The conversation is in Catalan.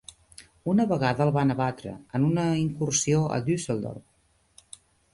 Una vegada el van abatre, en una incursió a Düsseldorf.